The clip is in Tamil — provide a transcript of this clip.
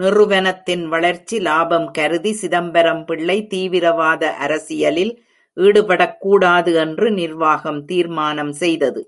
நிறுவனத்தின் வளர்ச்சி, லாபம் கருதி, சிதம்பரம் பிள்ளை தீவிரவாத அரசியலில் ஈடுபடக் கூடாது என்று நிர்வாகம் தீர்மானம் செய்தது.